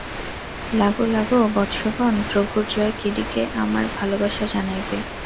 লাগো, লাগো, বৎসগণ! প্রভুর জয়! কিডিকে আমার ভালবাসা জানাইবে।